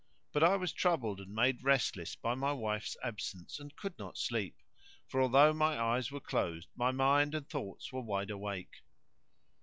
But I was troubled and made restless by my wife's absence and could not sleep; for although my eyes were closed my mind and thoughts were wide awake.